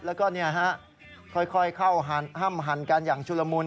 แล้วก็ค่อยเข้าอ้ำหั่นกันอย่างชุลมุน